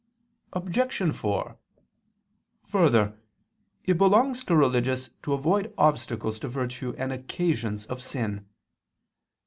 Obj. 4: Further, it belongs to religious to avoid obstacles to virtue and occasions of sin.